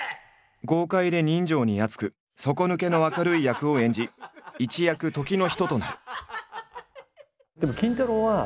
豪快で人情にあつく底抜けの明るい役を演じ一躍時の人となる。